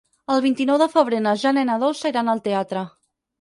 El vint-i-nou de febrer na Jana i na Dolça iran al teatre.